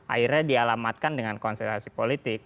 akhirnya dialamatkan dengan konsentrasi politik